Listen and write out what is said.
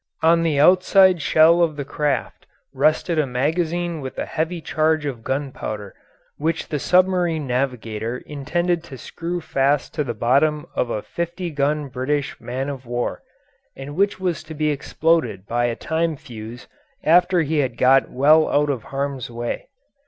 On the outside shell of the craft rested a magazine with a heavy charge of gunpowder which the submarine navigator intended to screw fast to the bottom of a fifty gun British man of war, and which was to be exploded by a time fuse after he had got well out of harm's way.